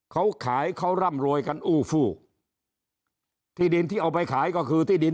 เขาขายเขาร่ำรวยกันอู้ฟูที่ดินที่เอาไปขายก็คือที่ดิน